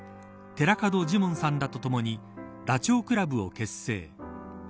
寺門ジモンさんらとともにダチョウ倶楽部を結成。